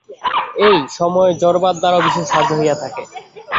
এই সময় জড়বাদ দ্বারাও বিশেষ সাহায্য হইয়া থাকে।